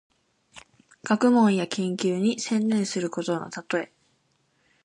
学問や研究に専念することのたとえ。